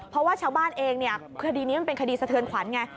เพราะว่าชาวบ้านเองคดีนี้เป็นคดีสะเทินขวัญไง